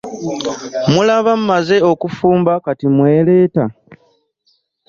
Mulaba mmaze okufumba kati mwereeta?